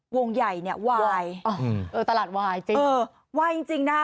วงใหญ่เนี่ยวายเออตลาดวายจริงเออวายจริงจริงนะคะ